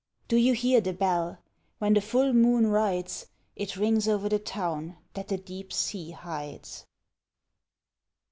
Do you hear the bell? When the full moon rides It rings o'er the town that the deep sea hides!